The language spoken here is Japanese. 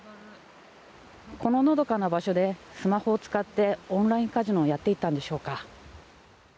こののどかな場所でスマホを使ってオンラインカジノをやっていたのでしょうか。